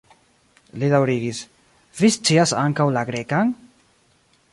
Li daŭrigis: "Vi scias ankaŭ la Grekan?"